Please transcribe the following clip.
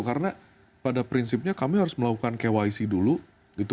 karena pada prinsipnya kami harus melakukan kyc dulu